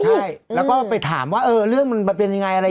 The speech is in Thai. พี่โมดรู้สึกไหมพี่โมดรู้สึกไหมพี่โมดรู้สึกไหมพี่โมดรู้สึกไหม